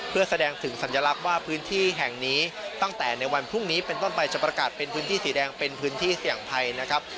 เพื่อแสดงถึงสัญลักษณ์ว่าพื้นที่แห่งนี้ตั้งแต่ในวันพรุ่งนี้เป็นต้นไปจะประกาศเป็นพื้นที่สีแดงเป็นพื้นที่เสี่ยงภัยนะครับ